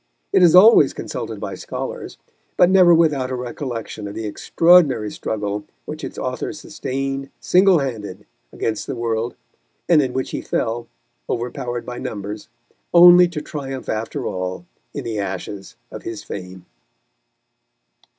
It is always consulted by scholars, but never without a recollection of the extraordinary struggle which its author sustained, singlehanded, against the world, and in which he fell, overpowered by numbers, only to triumph after all in the ashes of his fame.